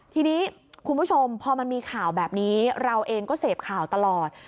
ทีนี้คุณผู้ชมพอมันมีข่าวแบบนี้เราเองก็เสพข่าวตลอด